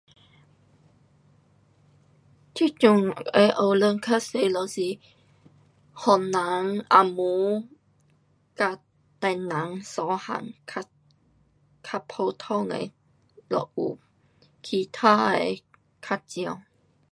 这阵的学堂较多就是番人，红毛跟唐人三样，较，较普通的学堂，其他的较少。